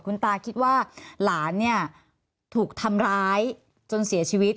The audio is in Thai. คุณตาคิดว่าหลานเนี่ยถูกทำร้ายจนเสียชีวิต